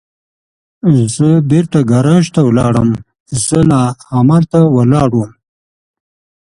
زه بېرته ګاراج ته ولاړم، زه لا همالته ولاړ ووم.